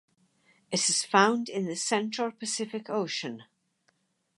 It is found in the central Pacific Ocean.